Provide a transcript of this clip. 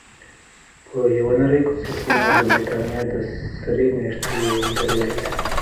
په یوې نرۍ کوڅه کې مو د بریتانیا د سرې میاشتې یو موټر ولید.